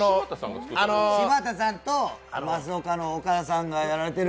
柴田さんとますおかの岡田さんがやられている。